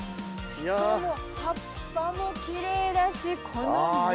しかも葉っぱもきれいだしこの実が。